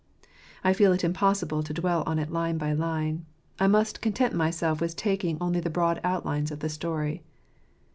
I feel it impossible to dwell on it line by line ; I must content myself with taking only the broad outlines of the story.